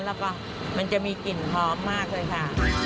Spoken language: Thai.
แล้วก็มันจะมีกลิ่นหอมมากเลยค่ะ